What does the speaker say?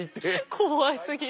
怖過ぎる。